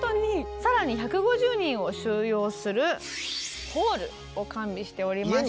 更に１５０人を収容するホールを完備しております。